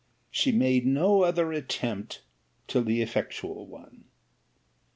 'She made no other attempt till the effectual one.